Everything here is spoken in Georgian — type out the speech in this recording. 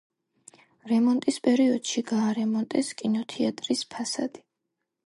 რემონტის პერიოდში გაარემონტეს კინოთეატრის ფასადი.